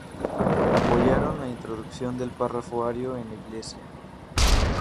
Apoyaron la introducción del párrafo ario en la Iglesia.